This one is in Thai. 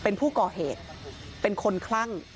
เป็นผู้ก่อเหตุเป็นคนคลั่ง